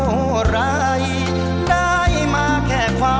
ช่วยฝังดินหรือกว่า